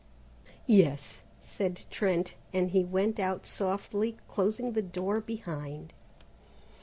"Yes," said Trent, and he went out softly closing the door behind.